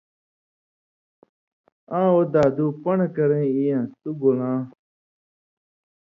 ”آں وو دادُو پن٘ڑہۡ کرَیں ای یان٘س، تُو گولاں“